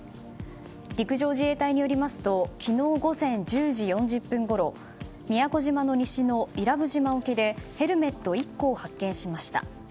陸上自衛隊によりますと昨日午前１０時４０分ごろ宮古島の西の伊良部島沖でヘルメット１個を発見しました。